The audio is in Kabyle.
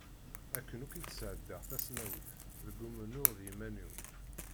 Akken akk i d-sɛeddaɣ tasnawit, deg umennuɣ d yiman-iw.